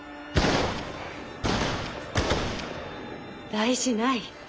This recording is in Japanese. ・大事ない。